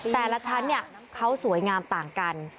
แต่ละชั้นเขาสวยงามต่างกัน